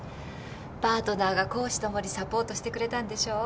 パートナーが公私ともにサポートしてくれたんでしょ？